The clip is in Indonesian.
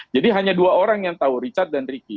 jadi hanya dua orang yang tahu richard dan ricky